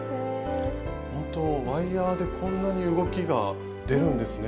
本当ワイヤーでこんなに動きが出るんですね。